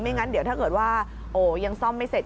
งั้นเดี๋ยวถ้าเกิดว่าโอ้ยังซ่อมไม่เสร็จ